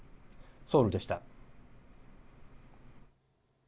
ソウルでした。